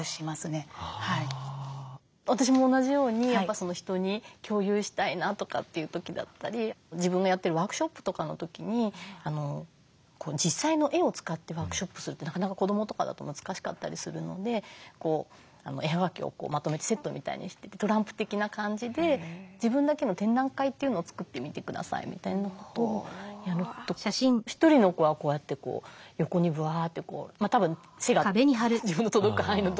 私も同じようにやっぱ人に共有したいなとかっていう時だったり自分がやってるワークショップとかの時に実際の絵を使ってワークショップするってなかなか子どもとかだと難しかったりするので絵葉書をまとめてセットみたいにしてトランプ的な感じで自分だけの展覧会というのを作ってみてくださいみたいなことをやると一人の子はこうやってこう横にぶわってたぶん背が自分の届く範囲のとこにピンで貼ってった。